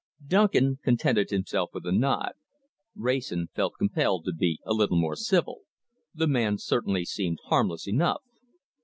Duncan contented himself with a nod. Wrayson felt compelled to be a little more civil. The man certainly seemed harmless enough.